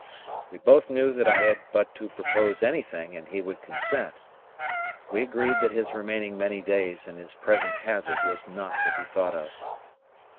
We both knew that I had but to propose anything, and he would consent. We agreed that his remaining many days in his present hazard was not to be thought of.